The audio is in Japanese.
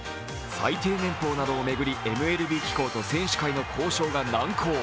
最低年棒などを巡りＭＬＢ機構と選手会の交渉が難航。